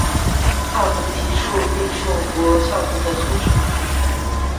大菩提树备受佛教徒的尊崇。